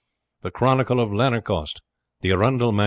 The Chronicle of Lanercost, the Arundel MSS.